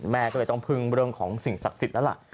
แม่ก็เลยต้องพึ่งเรื่องของสิ่งศักดิ์สิทธิ์นั่นแหละ